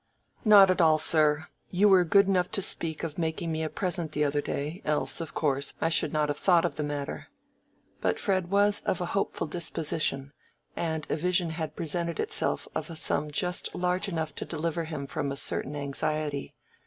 "Not at all, sir. You were good enough to speak of making me a present the other day, else, of course, I should not have thought of the matter." But Fred was of a hopeful disposition, and a vision had presented itself of a sum just large enough to deliver him from a certain anxiety.